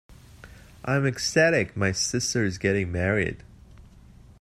I am ecstatic my sister is getting married!.